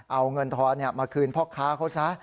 เอาเงินทอนมาคืนพ่อค้าเขาซะ